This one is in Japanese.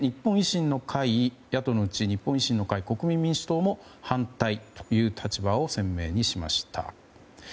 そして野党のうち日本維新の会国民民主党も反対という立場を鮮明にしました。